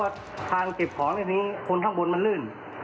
ตอนนั้นกำลังเก็บของคนนี้คนข้างบนมันลื่น